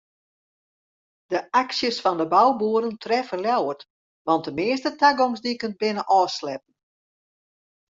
De aksjes fan de bouboeren treffe Ljouwert want de measte tagongsdiken binne ôfsletten.